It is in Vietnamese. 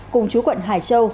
cùng chú quận hải châu